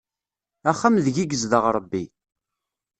Axxam deg i yezdeɣ Ṛebbi.